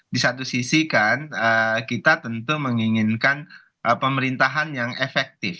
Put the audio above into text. di satu sisi kan kita tentu menginginkan pemerintahan yang efektif